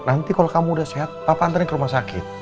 nanti kalau kamu udah sehat papa antren ke rumah sakit